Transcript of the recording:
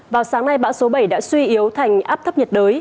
vào sáng nay bão số bảy đã suy yếu thành áp thấp nhiệt đới